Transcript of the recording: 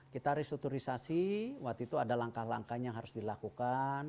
kita restrukturisasi waktu itu ada langkah langkahnya yang harus dilakukan